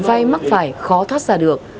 vay mắc phải khó thoát ra được